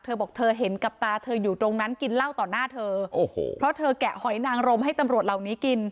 เธอบอกเธอเห็นกับตาเธออยู่ตรงนั้นกินเหล้าต่อหน้าเธอโอ้โหเพราะเธอแกะหอยนางรมให้ตำรวจเหล่านี้กิน